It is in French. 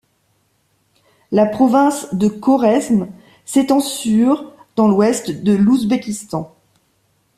La province de Khorezm s'étend sur dans l'ouest de l'Ouzbékistan.